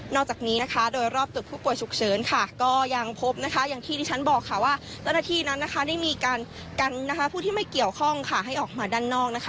นอกจากนี้โดยรอบตุดผู้ป่วยฉุกเฉินก็ยังพบอย่างที่ฉันบอกว่าเจ้าหน้าที่นั้นได้มีการกันผู้ที่ไม่เกี่ยวข้องให้ออกมาด้านนอก